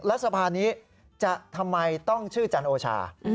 สภานี้จะทำไมต้องชื่อจันโอชา